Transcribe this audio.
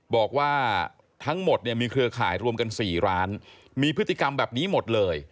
บอกว่าทั้งหมดเนี่ยมีเครือข่ายรวมกัน๔ร้านมีพฤติกรรมแบบนี้หมดเลย